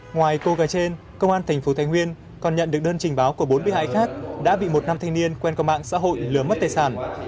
ngoài cô gái trên công an thành phố thành nguyên còn nhận được đơn trình báo của bốn bí hãi khác đã bị một năm thanh niên quen qua mạng xã hội lừa mất tài sản